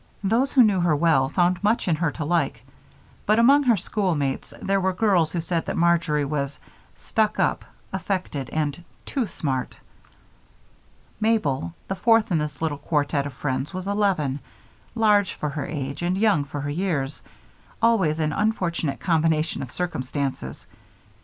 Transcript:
Those who knew her well found much in her to like, but among her schoolmates there were girls who said that Marjory was "stuck up," affected, and "too smart." Mabel, the fourth in this little quartet of friends, was eleven, large for her age and young for her years, always an unfortunate combination of circumstances.